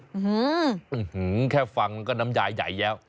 อื้อหือแค่ฟังก็น้ำยายใหญ่แล้ว